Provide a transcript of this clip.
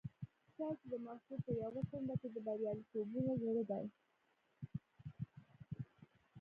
ستاسې د ماغزو په يوه څنډه کې د برياليتوبونو زړي دي.